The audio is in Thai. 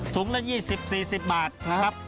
ละ๒๐๔๐บาทนะครับ